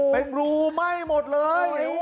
เป็นรูไหม้หมดเลย